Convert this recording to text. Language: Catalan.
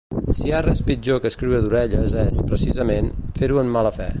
Si hi ha res pitjor que escriure d'orelles és, precisament, fer-ho en mala fe.